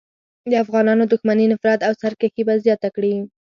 د افغانانو دښمني، نفرت او سرکښي به زیاته کړي.